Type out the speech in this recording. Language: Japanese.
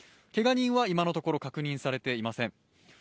けが人は今のところ確認されていません。